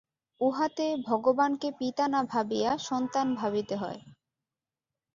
উহাতে ভগবানকে পিতা না ভাবিয়া সন্তান ভাবিতে হয়।